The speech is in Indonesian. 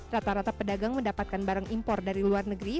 rata rata pedagang mendapatkan barang impor dari luar negeri